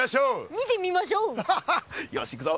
見てみましょう！ハハハ！よし行くぞ。